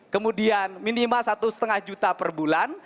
kemudian minima satu setengah juta per bulan